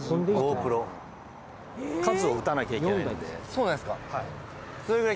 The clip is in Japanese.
そうなんですか？